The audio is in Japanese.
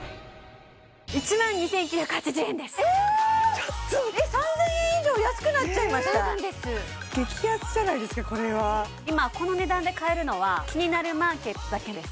今回はええっ３０００円以上安くなっちゃいましたそうなんです激安じゃないですかこれは今この値段で買えるのは「キニナルマーケット」だけです